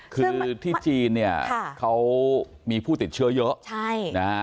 คือที่จีนเนี่ยเขามีผู้ติดเชื้อเยอะ